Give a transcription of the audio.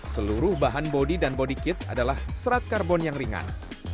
seluruh bahan bodi dan bodi kit adalah serat karbon yang ringan